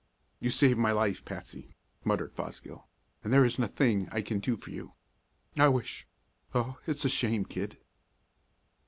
"You saved my life, Patsy," muttered Fosgill, "and there isn't a thing I can do for you. I wish oh, it's a shame, kid!"